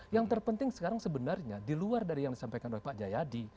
yang terpenting sekarang sebenarnya di luar dari yang disampaikan oleh pak jayadi